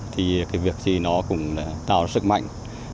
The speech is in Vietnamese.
thì việc gì nó cũng tạo ra sức mạnh